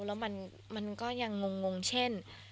แล้วมันก็ยังงงเช่น